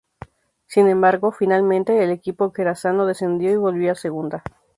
Sin embargo, finalmente el equipo jerezano descendió y volvió a Segunda.